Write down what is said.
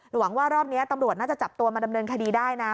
หวังว่ารอบนี้ตำรวจน่าจะจับตัวมาดำเนินคดีได้นะ